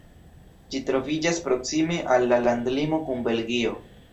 Ĝi troviĝas proksime al la landlimo kun Belgio.